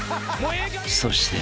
［そして］